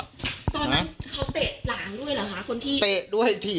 ตอนนั้นเขาเตะหลางด้วยเหรอคะคนที่